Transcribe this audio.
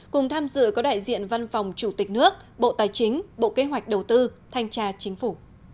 cùng tham dự có đại diện văn phòng chủ tịch nước bộ tài chính bộ kế hoạch đầu tư thanh tra chính phủ